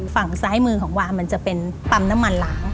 ฝั่งซ้ายมือของวามันจะเป็นปั๊มน้ำมันล้าง